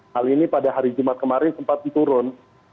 hal ini pada hari jumat kemarin sempat turun